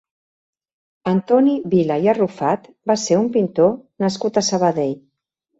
Antoni Vila i Arrufat va ser un pintor nascut a Sabadell.